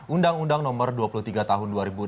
undang undang nomor dua puluh tiga tahun dua ribu tujuh